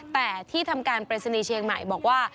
แต่ที่ทำการปริศนีย์เชียงใหม่บอกว่า